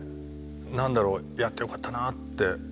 何だろうやってよかったなって思った。